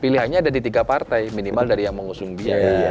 pilihannya ada di tiga partai minimal dari yang mau ngusung biaya